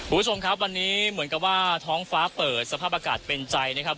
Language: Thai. คุณผู้ชมครับวันนี้เหมือนกับว่าท้องฟ้าเปิดสภาพอากาศเป็นใจนะครับ